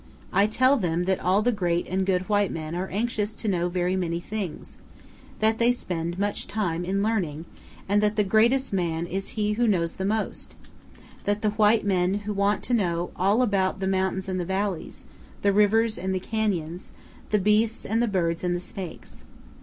I tell them that all the great and good white men are anxious to know very many things, that they spend much time in learning, and that the greatest man is he who knows the most; that the white men want to know all about the mountains and the valleys, the rivers and the canyons, the beasts and birds and snakes.